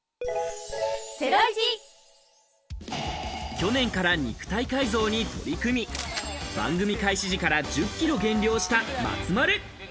去年から肉体改造に取り組み、番組開始時から１０キロ減量した松丸。